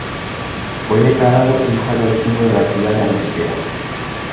Fue declarado hijo adoptivo de la ciudad de Antequera.